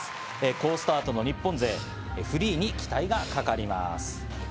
好スタートの日本勢、フリーに期待がかかります。